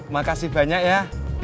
makasih banyak ya